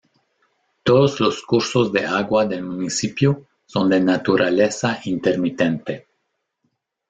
Todos los cursos de água del municipio son de naturaleza intermitente.